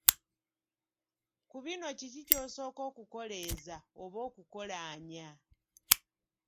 Ku bino kiki ky’osooka okukoleeza oba okukolaanya?